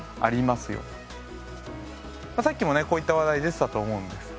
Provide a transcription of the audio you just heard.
さっきもねこういった話題出てたと思うんです。